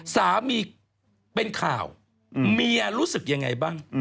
สามีเป็นข่าวเมียรู้สึกยังไงบ้าง